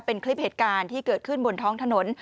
เป็นคลิปเหตุการณ์ที่เกิดขึ้นบนท้องถนน